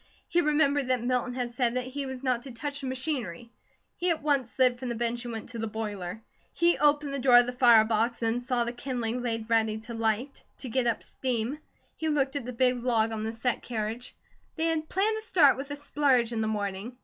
He remembered that Milton had said that he was not to touch the machinery. He at once slid from the bench and went to the boiler. He opened the door of the fire box and saw the kindling laid ready to light, to get up steam. He looked at the big log on the set carriage. They had planned to start with a splurge in the morning.